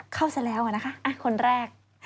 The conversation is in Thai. เข้าเสร็จแล้วนะคะคนแรก